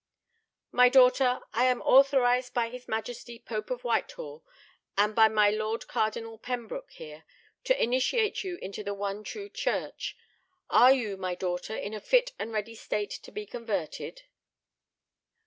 "My daughter, I am authorized by his Majesty, Pope of Whitehall, and by my Lord Cardinal Pembroke, here, to initiate you into the one true church. Are you, my daughter, in a fit and ready state to be converted?"